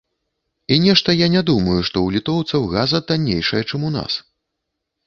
І нешта я не думаю, што ў літоўцаў газа таннейшая, чым у нас.